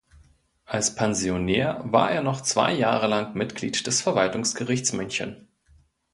Als Pensionär war er noch zwei Jahre lang Mitglied des Verwaltungsgerichts München.